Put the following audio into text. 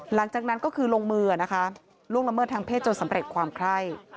หลังจากนั้นก็คือลงมือนะคะล่วงละเมิดทางเพศจนสำเร็จความไคร่